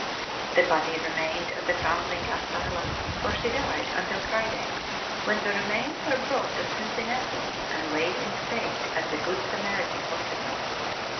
The body remained at the Foundling Asylum, where she died, until Friday, when the remains were brought to Cincinnati and laid in state at the Good Samaritan Hospital.